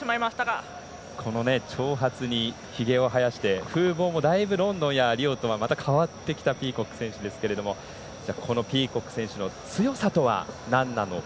長髪にひげを生やして風貌も、だいぶロンドンやリオとは変わってきたピーコック選手ですけれどもピーコック選手の強さとはなんなのか。